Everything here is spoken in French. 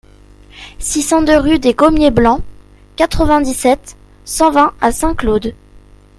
six cent deux rue des Gommiers Blancs, quatre-vingt-dix-sept, cent vingt à Saint-Claude